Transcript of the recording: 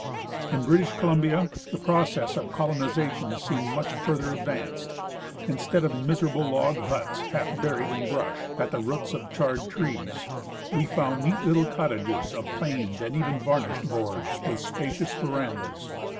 In British Columbia the process of colonization seemed much further advanced. Instead of miserable log huts half buried in j8o BACK TO FXJ ROPE— FROM YAKUTAT TO LONDON brush, at the roots of charred trunks, we found neat Httle cottages of planed and even varnished boards, with spacious verandahs.